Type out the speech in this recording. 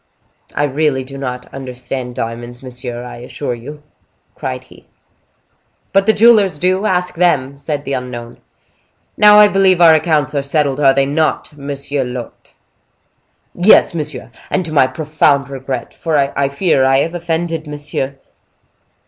"I really do not understand diamonds, monsieur, I assure you," cried he. "But the jewelers do: ask them," said the unknown. "Now I believe our accounts are settled, are they not, monsieur l'hote?" "Yes, monsieur, and to my profound regret; for I fear I have offended monsieur."